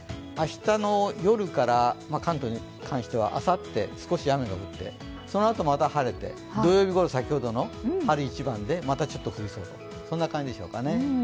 明日の夜から関東に関してはあさって、少し雨が降って、そのあと、また晴れて、土曜日ごろ、先ほどの春一番でまたちょっと降りそうだ、そんな感じでしょうかね。